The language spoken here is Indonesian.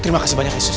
ini bukan salah bagus